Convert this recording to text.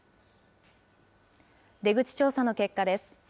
出口調査の結果です。